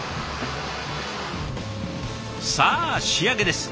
さあ仕上げです。